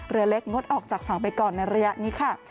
เรือเล็กงดออกจากฝั่งไปก่อนในระยะนี้ค่ะ